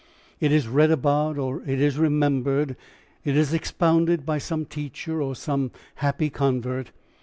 It is read about or it is remembered; it is expounded by some teacher or some happy convert.